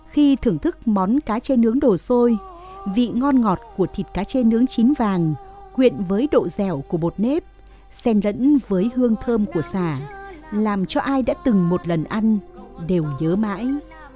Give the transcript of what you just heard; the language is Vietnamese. khi thưởng thức món cá chê nướng đồ xôi vị ngon ngọt của thịt cá chê nướng chín vàng quyện với độ dẻo của bột nếp sen lẫn với hương thơm của xà làm cho ai đã từng một lần ăn đều nhớ mãi